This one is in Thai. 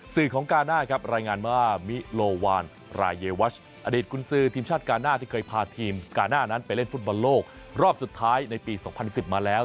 สื่อของกาน่าครับรายงานว่ามิโลวานรายเยวัชอดีตกุญซือทีมชาติกาหน้าที่เคยพาทีมกาหน้านั้นไปเล่นฟุตบอลโลกรอบสุดท้ายในปี๒๐๑๐มาแล้ว